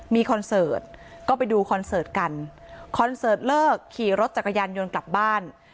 มีคอนเสิร์ตก็ไปดูคอนเสิร์ตกันคอนเสิร์ตเลิกขี่รถจักรยานยนต์กลับบ้าน